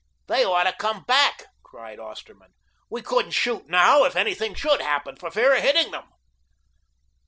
"They ought to come back," cried Osterman. "We couldn't shoot now if anything should happen, for fear of hitting them."